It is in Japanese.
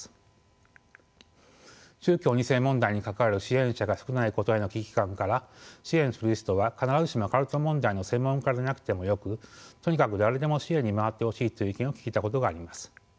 宗教２世問題に関わる支援者が少ないことへの危機感から支援する人は必ずしもカルト問題の専門家でなくてもよくとにかく誰でも支援に回ってほしいという意見を聞いたことがあります。